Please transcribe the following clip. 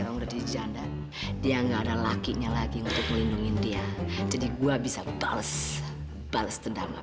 lagian harusnya nyadukmu aku buat sekolah